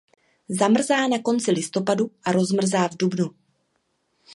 Zamrzá na konci listopadu a rozmrzá v dubnu.